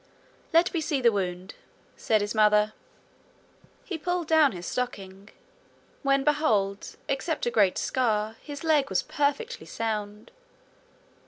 'Let me see the wound,' said his mother. He pulled down his stocking when behold, except a great scar, his leg was perfectly sound!